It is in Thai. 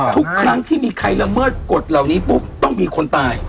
ทุกครั้งที่มีใครละเมิดกฎเหล่านี้ปุ๊บต้องมีคนตาย